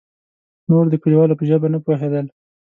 نور د کليوالو په ژبه نه پوهېدل.